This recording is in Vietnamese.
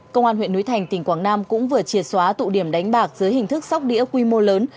công an huyện núi thành tỉnh quảng nam cũng vừa triệt xóa tụ điểm đánh bạc dưới hình thức sóc đĩa quy mô lớn